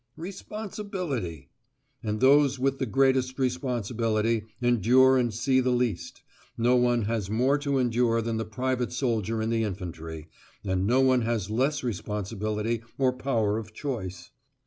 Responsibility. And those with the greatest responsibility endure and see the least; no one has more to endure than the private soldier in the infantry, and no one has less responsibility or power of choice.